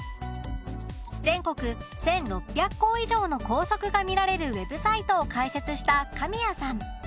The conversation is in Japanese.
全国１６００校以上の校則が見られるウェブサイトを開設した神谷さん。